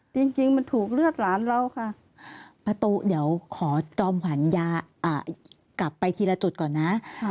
จริงมันถูกเลือดหลานเราค่ะประตูเดี๋ยวขอจอมขวัญอย่ากลับไปทีละจุดก่อนนะ